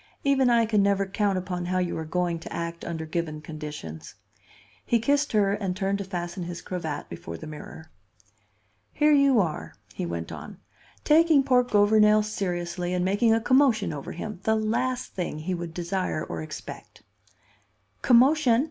"Even I can never count upon how you are going to act under given conditions." He kissed her and turned to fasten his cravat before the mirror. "Here you are," he went on, "taking poor Gouvernail seriously and making a commotion over him, the last thing he would desire or expect." "Commotion!"